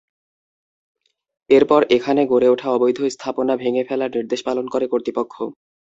এরপর এখানে গড়ে ওঠা অবৈধ স্থাপনা ভেঙে ফেলার নির্দেশ পালন করে কর্তৃপক্ষ।